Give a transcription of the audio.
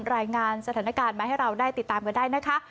รายงานสถานการณ์มาให้เราได้ติดตามกันได้นะคะ